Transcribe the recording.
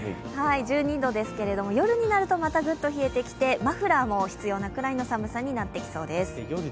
１２度ですが夜になると、またぐっと冷えてきてマフラーも必要なぐらいの寒さになってきそうです。